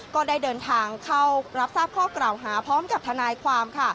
ก็ได้เดินทางเข้ารับทราบข้อกล่าวหาพร้อมกับทนายความค่ะ